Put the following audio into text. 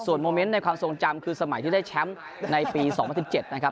โมเมนต์ในความทรงจำคือสมัยที่ได้แชมป์ในปี๒๐๑๗นะครับ